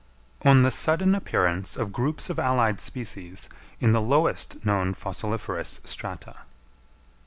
_On the sudden Appearance of Groups of allied Species in the lowest known Fossiliferous Strata.